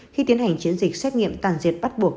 khi tiến hành chiến dịch xét nghiệm tàn diệt bắt buộc